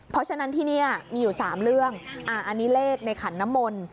เพราะฉะนั้นที่นี่มีอยู่๓เรื่องอันนี้เลขในขันน้ำมนต์